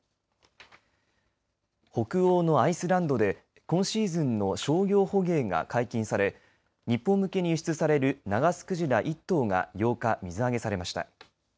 北欧のアイスランドで今シーズンの商業捕鯨が解禁され日本向けに輸出されるナガスクジラ１頭が８日、水揚げされました。